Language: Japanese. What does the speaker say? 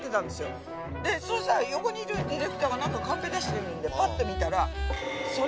そしたら横にいるディレクターがなんかカンペ出してるんでパッて見たら。